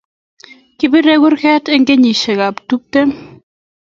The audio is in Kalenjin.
Kibirei kuret eng kenyishiekab tuptem